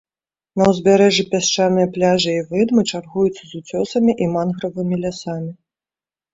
На ўзбярэжжы пясчаныя пляжы і выдмы чаргуюцца з уцёсамі і мангравымі лясамі.